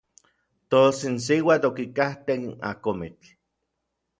Tos n siuatl okikajtej n akomitl.